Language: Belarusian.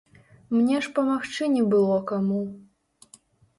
Мне ж памагчы не было каму.